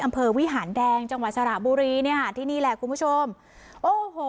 วิหารแดงจังหวัดสระบุรีเนี่ยค่ะที่นี่แหละคุณผู้ชมโอ้โห